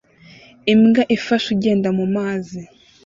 Imbwa ifashe ugenda mumazi